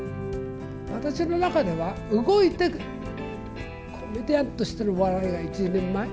私の中では動いてコメディアンとしての笑いが一人前。